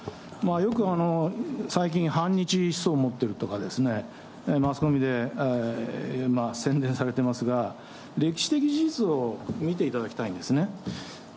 よく最近、反日思想を持っているとかですね、マスコミで宣伝されてますが、歴史的事実を見ていただきたいんですね。